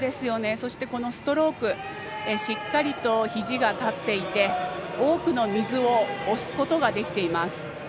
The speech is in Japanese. そしてストロークしっかりと、ひじが立っていて多くの水を押すことができています。